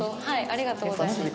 ありがとうございます。